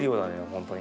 本当に。